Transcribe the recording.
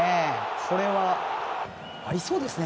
これ、ありそうですね